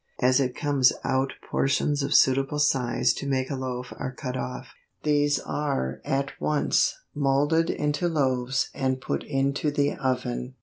As it comes out portions of suitable size to make a loaf are cut off. These are at once moulded into loaves and put into the oven.